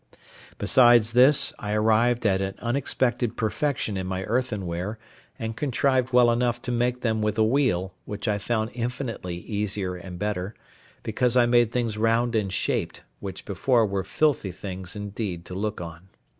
Besides this, I arrived at an unexpected perfection in my earthenware, and contrived well enough to make them with a wheel, which I found infinitely easier and better; because I made things round and shaped, which before were filthy things indeed to look on.